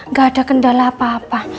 nggak ada kendala apa apa